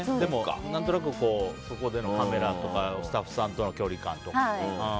何となく、そこでのカメラとかスタッフさんとかの距離感とか。